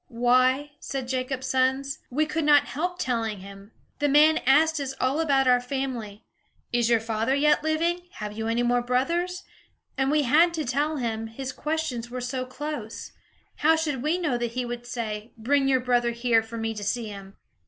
"Why," said Jacob's sons, "we could not help telling him. The man asked us all about our family, 'Is your father yet living? Have you any more brothers?' And we had to tell him, his questions were so close. How should we know that he would say, 'Bring your brother here, for me to see him'?"